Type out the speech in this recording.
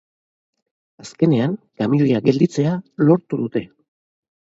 Azkenean, kamioia gelditzea lortu dute.